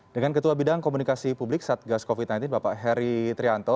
dengan ketua bidang komunikasi publik satgas covid sembilan belas bapak heri trianto